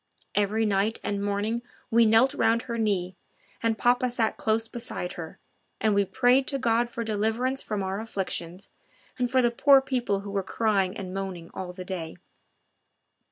Every night and morning we knelt round her knee and papa sat close beside her, and we prayed to God for deliverance from our own afflictions, and for the poor people who were crying and moaning all the day.